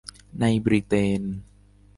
ในบริเตน